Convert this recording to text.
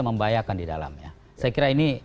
membahayakan di dalamnya saya kira ini